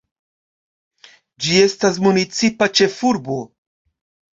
Ĝi estas municipa ĉefurbo.